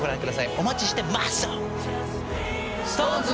お待ちしてマッスル！ＳｉｘＴＯＮＥＳ